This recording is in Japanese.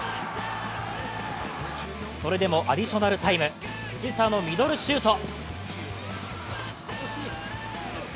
それでもアディショナルタイム、藤田のミドルシュート。